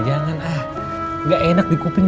jangan ah gak enak di kuping